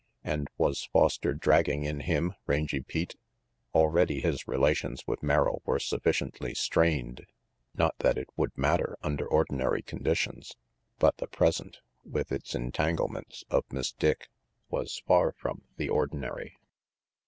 And was Foster dragging in him, Rangy Pete? Already his relations with Merrill were sufficiently strained. Not that it would matter under ordinary conditions; but the present, with its entanglements of Miss Dick, was far from the ordinary.